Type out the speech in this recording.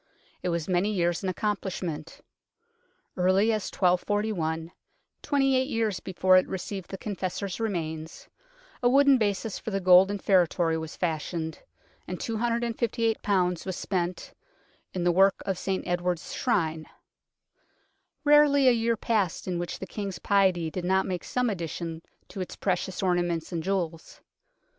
It was many years in accomplishment. Early as 1241, twenty eight years before it received the Confessor's remains, a wooden basis for the golden feretory was fashioned, and 258 was spent " in the work of St Edward's Shrine." Rarely a year passed in which the King's piety did not make some addition to its precious ornaments and jewels.